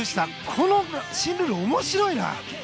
この新ルール、面白いな。